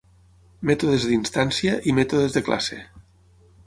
Mètodes d'instància i mètodes de classe.